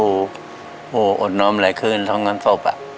ที่อยู่โหอดน้อมหลายคืนทั้งการศพอ่ะ